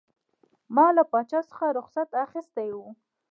ما له پاچا څخه رخصت اخیستی وو.